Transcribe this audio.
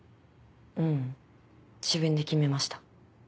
ううん自分で決めました。